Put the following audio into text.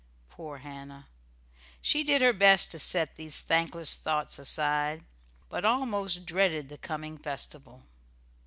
Poor Hannah! She did her best to set these thankless thoughts aside, but almost dreaded the coming festival.